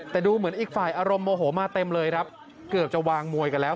แต่ดูเหมือนอีกฝ่ายอารมณ์โมโหมาเต็มเลยครับเกือบจะวางมวยกันแล้ว